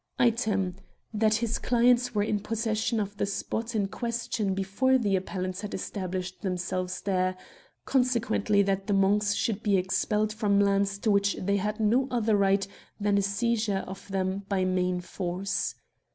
" Item^ That his clients were in possession of the spot in question before the appellants had established themselves there ; consequently that the monks should be expelled from lands to which they had no other right than a seizure of them by main force.